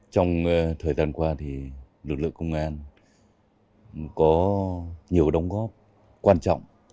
trong thời gian qua thì lực lượng công an có nhiều đóng góp quan trọng